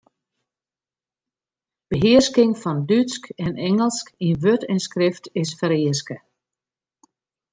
Behearsking fan Dútsk en Ingelsk yn wurd en skrift is fereaske.